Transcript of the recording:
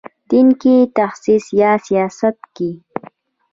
دین کې تخصص یا سیاست کې.